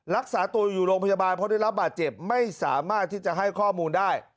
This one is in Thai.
รักษาตัวอยู่โรงพยาบาลเพราะได้รับบาดเจ็บไม่สามารถที่จะให้ข้อมูลได้